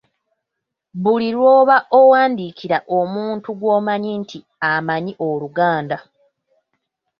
Buli lw'oba owandiikira omuntu gw'omanyi nti amanyi Oluganda.